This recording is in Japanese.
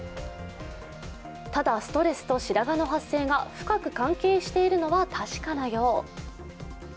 ただ、ストレスと白髪の発生が深く関係しているのは確かなよう。